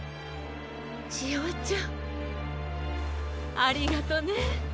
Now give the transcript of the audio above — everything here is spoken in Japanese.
ちえおちゃん！ありがとね。